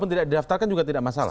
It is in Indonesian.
terdaftar kan juga tidak masalah